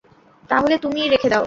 তাহলে তুমিই রেখে দাও।